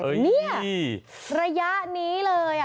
เนี่ยระยะนี้เลย